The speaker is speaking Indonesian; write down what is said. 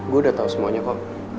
gue udah tau semuanya kok